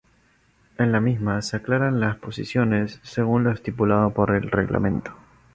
En la misma se aclaran las posiciones según lo estipulado por el reglamento.